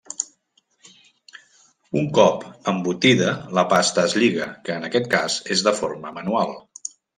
Un cop embotida la pasta es lliga, que en aquest cas és de forma manual.